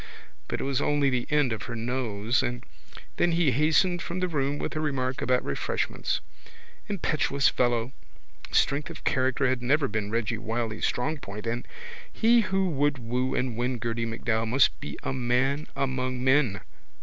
but it was only the end of her nose and then he hastened from the room with a remark about refreshments. Impetuous fellow! Strength of character had never been Reggy Wylie's strong point and he who would woo and win Gerty MacDowell must be a man among men.